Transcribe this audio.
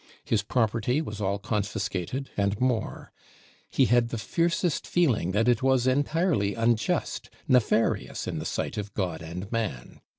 His property was all confiscated and more; he had the fiercest feeling that it was entirely unjust, nefarious in the sight of God and man.